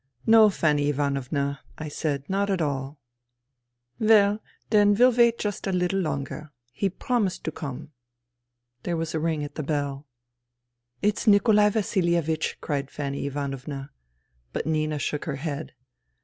" No, Fanny Ivanovna," I said, " not at all." " Well, then we'll wait just a little longer. He promised to come." There was a ring at the bell. " It's Nikolai VasiHevich !" cried Fanny Ivanovna. But Nina shook her head.